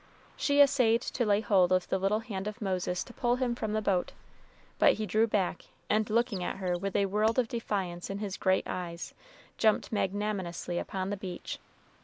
She essayed to lay hold of the little hand of Moses to pull him from the boat, but he drew back, and, looking at her with a world of defiance in his great eyes, jumped magnanimously upon the beach.